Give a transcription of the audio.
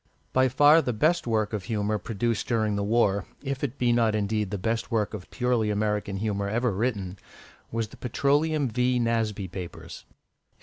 By far the best work of humour produced during the war, if it be not indeed the best work of purely American humour ever written, was the Petroleum V. Nasby papers.